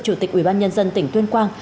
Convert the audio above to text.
chủ tịch ubnd tỉnh tuyên quang